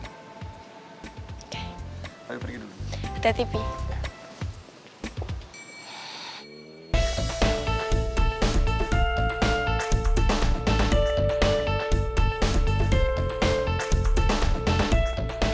oke ayo pergi dulu daddy pih